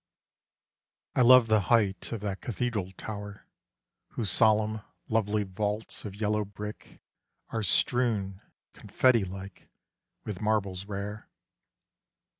— I love the height of that cathedral tower Whose solemn lovely vaults of yellow brick Are strewn, confetti like, — with marbles rare.